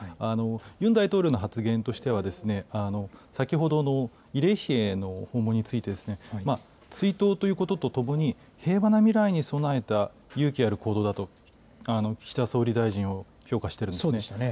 ユン大統領の発言としては、先ほどの慰霊碑への訪問について、追悼ということとともに、平和な未来に備えた勇気ある行動だと、岸田総理大臣を評価してるんですね。